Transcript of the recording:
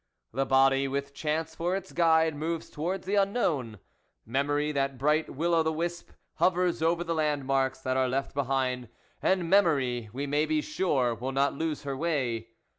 The body, with chance for its guide, moves towards the unknown. Memory, that bright will o' the wisp, hovers over the land marks that are left behind; and memory, we may be sure, will not lose her way.